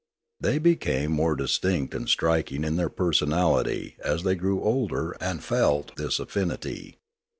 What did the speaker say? They became more distinct and striking in their personality as they grew older and felt this affinity.